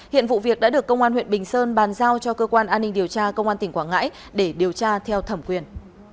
hiện vụ việc đã được công an huyện bình sơn bàn giao cho cơ quan an ninh điều tra công an tỉnh quảng ngãi để điều tra theo thẩm quyền